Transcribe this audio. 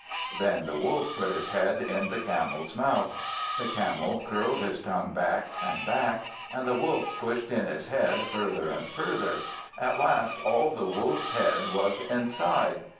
Then the Wolf put his head in the Camel's mouth. The Camel curled his tongue back and back, and the Wolf pushed in his head further and further; at last all the Wolf's head was inside.